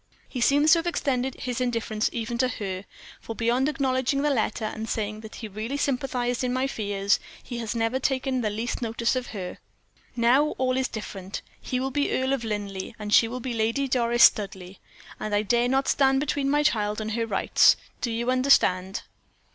He seems to have extended his indifference even to her, for beyond acknowledging the letter and saying that he really sympathized in my fears, he has never taken the least notice of her. Now, all is different. He will be Earl of Linleigh, she will be Lady Doris Studleigh, and I dare not stand between my child and her rights. Do you understand?"